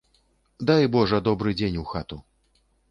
Дай божа добры дзень у хату.